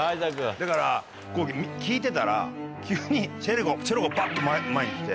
だから聴いてたら急にチェロがバッと前に来て。